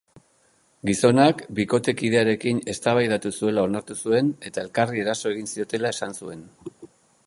Gizonak bikotekidearekin eztabaidatu zuela onartu zuen eta elkarri eraso egin ziotela esan zuen.